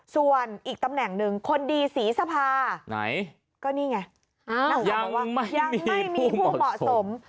ส่วนอีกตำแหน่งหนึ่งคนดีศรีสภาไหนก็นี่ไงยังไม่มีผู้เหมาะสม